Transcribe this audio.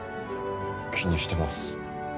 気にしてます。